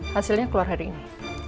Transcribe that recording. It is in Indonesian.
hasilnya keluar hari ini